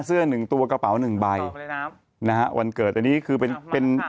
หนึ่งตัวกระเป๋าหนึ่งใบนะฮะวันเกิดอันนี้คือเป็นเป็น